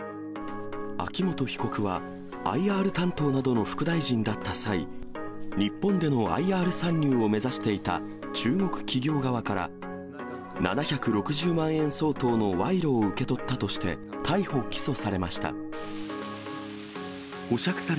秋元被告はＩＲ担当などの副大臣だった際、日本でのＩＲ参入を目指していた中国企業側から、７６０万円相当の賄賂を受け取ったとして、逮捕・起訴されました。